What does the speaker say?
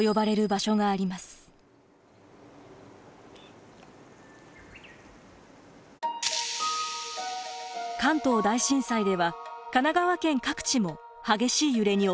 関東大震災では神奈川県各地も激しい揺れに襲われました。